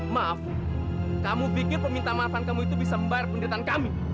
maaf kamu pikir peminta maafan kamu itu bisa membayar penderitaan kami